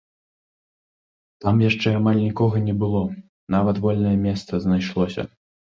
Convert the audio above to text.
Там яшчэ амаль нікога не было, нават вольнае месца знайшлося.